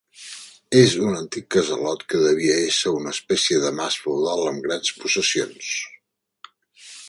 És un antic casalot que devia ésser una espècie de mas feudal amb grans possessions.